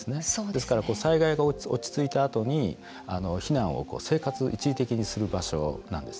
ですから災害が落ち着いた時に避難を生活を一時的にする場所なんです。